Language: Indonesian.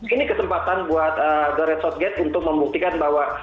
ini kesempatan buat the red hotgate untuk membuktikan bahwa